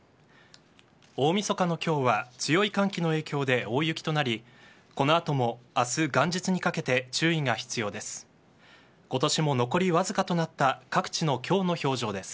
大みそかの今日は強い寒気の影響で大雪となりこのあとも明日、元日にかけて注意が必要です。